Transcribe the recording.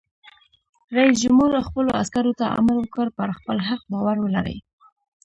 رئیس جمهور خپلو عسکرو ته امر وکړ؛ پر خپل حق باور ولرئ!